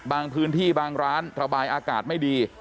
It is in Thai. บางพื้นที่บางร้านระบายอากาศไม่ดี